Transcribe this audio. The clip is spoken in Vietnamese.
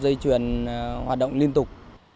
di chuyển hoạt động liên tục